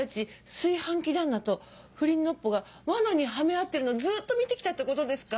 炊飯器旦那と不倫ノッポが罠にはめ合ってるのずっと見て来たってことですか？